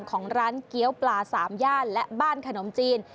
ของร้านเกี้ยวปลาสามย่านและบ้านขนมจีน